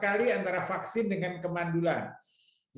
ya jadi gini kan kalau vaksin itu kan tujuannya adalah untuk memberikan kemendulan